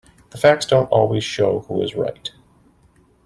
The facts don't always show who is right.